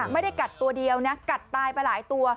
ไม่ได้กัดตัวเดียวนะกัดตายไปหลายตัว